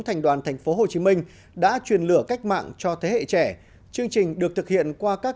thành đoàn tp hcm đã truyền lửa cách mạng cho thế hệ trẻ chương trình được thực hiện qua các